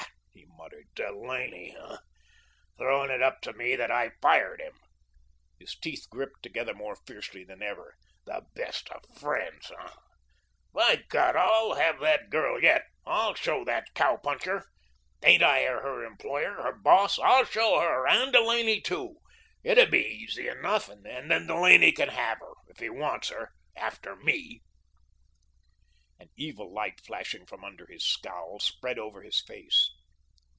"Ah," he muttered, "Delaney, hey? Throwing it up to me that I fired him." His teeth gripped together more fiercely than ever. "The best of friends, hey? By God, I'll have that girl yet. I'll show that cow puncher. Ain't I her employer, her boss? I'll show her and Delaney, too. It would be easy enough and then Delaney can have her if he wants her after me." An evil light flashing from under his scowl, spread over his face.